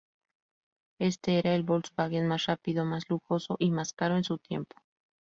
Este era el Volkswagen más rápido, más lujoso y más caro en su tiempo.